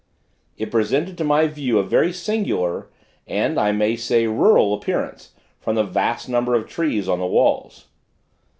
It presented to my view a very singular, and, I may say rural, appearance, from the vast number of trees on the walls.